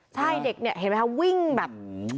ใช่เด็กเห็นไหมวิ่งแบบ